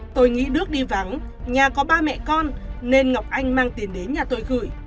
tôi nghĩ đức đi vắng nhà có ba mẹ con nên ngọc anh mang tiền đến nhà tôi gửi